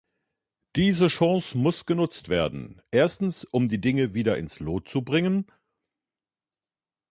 Diese Chance muss genutzt werden, erstens um die Dinge wieder ins Lot zu bringen.